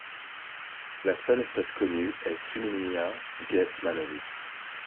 La seule espèce connue est Suminia getmanovi.